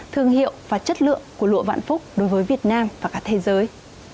thương hiệu và chất lượng của lụa vạn phúc đối với việt nam và cả thế giới